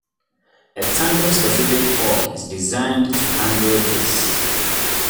A tandem-specific fork is designed to handle this.